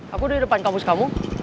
aku di depan kampus kamu